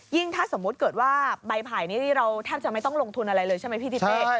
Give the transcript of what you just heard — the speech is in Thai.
ถ้าสมมุติเกิดว่าใบไผ่นี่เราแทบจะไม่ต้องลงทุนอะไรเลยใช่ไหมพี่ทิเป้